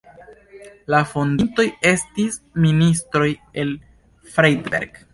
La fondintoj estis ministoj el Freiberg.